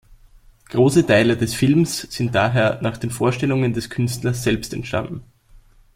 Große Teile des Films sind daher nach den Vorstellungen des Künstlers selbst entstanden.